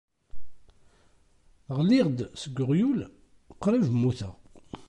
Ɣliɣ-d seg uɣyul qrib mmuteɣ.